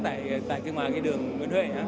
tại cái ngoài cái đường nguyễn huệ